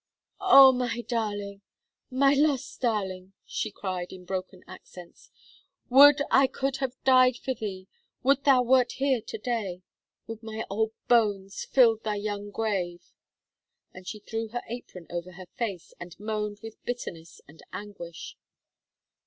"Oh! my darling my lost darling!" she cried, in broken accents, "would I could have died for thee! would thou wert here to day! would my old bones filled thy young grave!" And she threw her apron over her face, and moaned with bitterness and anguish.